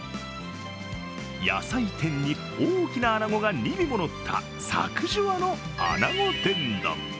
野菜天に大きなあなごが２尾ものったサクジュワの穴子天丼。